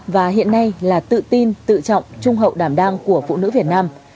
và hiện nay là tự tin tự trọng trung hậu đảm đang của phụ nữ việt nam